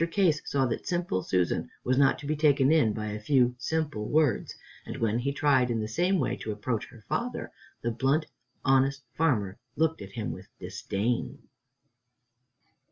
Case saw that Simple Susan was not to be taken in by a few simple words, and when he tried in the same way to approach her father, the blunt, honest farmer looked at him with disdain.